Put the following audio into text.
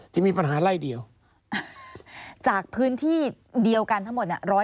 ที่มีปัญหาไร่เดียวจากพื้นที่เดียวกันทั้งหมดร้อยกว่าไร่